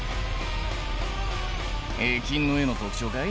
絵金の絵の特徴かい？